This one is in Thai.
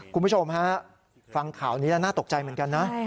คุณผู้ชมฮะฟังข่าวนี้แล้วน่าตกใจเหมือนกันนะ